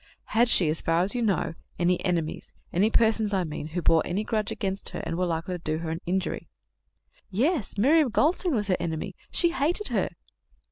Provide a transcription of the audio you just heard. "Had she, as far as you know, any enemies any persons, I mean, who bore any grudge against her and were likely to do her an injury?" "Yes. Miriam Goldstein was her enemy. She hated her."